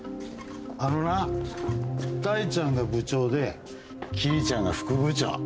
あのな大ちゃんが部長で桐ちゃんが副部長。